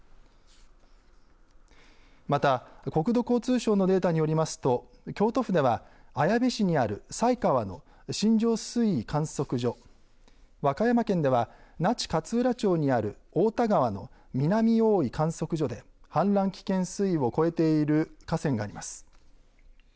また国土交通省のデータによりますと京都府では綾部市にある犀川の新庄水位観測所和歌山県では那智勝浦町にある太田川の南大居観測所で氾濫危険水位を超えている河川があります。